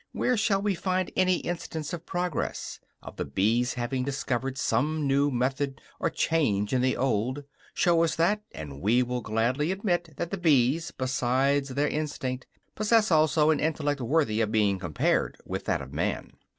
Where shall we find any instance of progress, of the bees having discovered some new method or change in the old; show us that, and we will gladly admit that the bees, besides their instinct, possess also an intellect worthy of being compared with that of man!